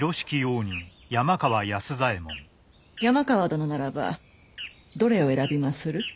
山川殿ならばどれを選びまする？